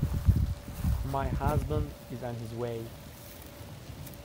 My husband is on his way.